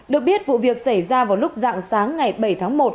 được biết vụ việc xảy ra vào lúc dạng sáng ngày bảy tháng một